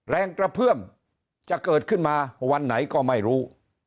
แรงกระเพื่อมจะเกิดขึ้นมาวันไหนก็ไม่รู้